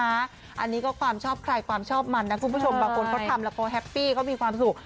อันนี้ก็ความชอบใครความชอบมันนะคุณผู้ชมบางคนเขาทำแล้วเขาแฮปปี้เขามีความสุข